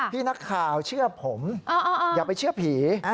พี่นักข่าวเชื่อผมอย่าไปเชื่อผี